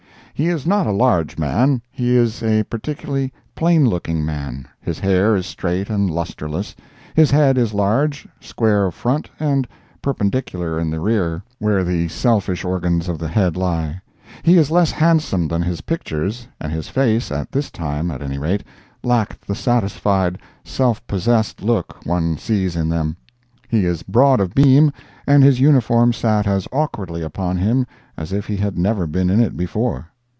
He is not a large man; he is a particularly plain looking man; his hair is straight and lustreless, his head is large, square of front and perpendicular in the rear, where the selfish organs of the head lie; he is less handsome than his pictures, and his face, at this time, at any rate, lacked the satisfied, self possessed look one sees in them; he is broad of beam, and his uniform sat as awkwardly upon him as if he had never been in it before.